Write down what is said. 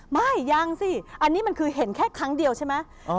ไม่ยังสิอันนี้มันคือเห็นแค่ครั้งเดียวใช่ไหม